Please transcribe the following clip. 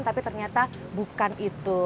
tapi ternyata bukan itu